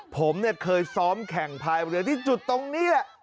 ผมเนี่ยเคยซ้อมแข่งพายเรือที่จุดตรงนี้แหละ